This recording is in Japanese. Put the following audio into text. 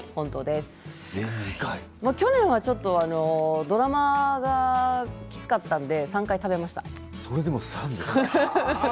去年はちょっとドラマがきつかったのでそれでも３回か。